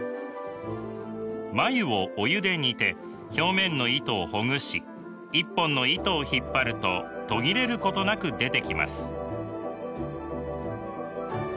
繭をお湯で煮て表面の糸をほぐし一本の糸を引っ張ると途切れることなく出てきます。